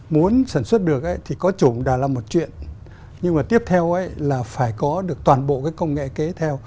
muốn sản xuất được thì có chủng đã là một chuyện nhưng mà tiếp theo là phải có được toàn bộ cái công nghệ kế theo